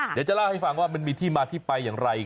เดี๋ยวจะเล่าให้ฟังว่ามันมีที่มาที่ไปอย่างไร